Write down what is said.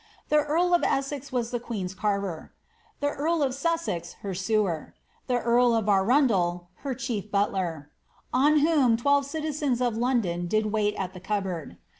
The earl of Essex was the queen^s carver ; the earl of Sussex, her sewer ; the earl of Arundel, her chief buder ; on whom twelve citizens of London did wait at the cup board.